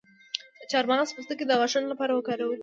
د چارمغز پوستکی د غاښونو لپاره وکاروئ